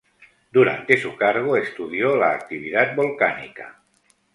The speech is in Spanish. Durante su cargo estudió la actividad volcánica.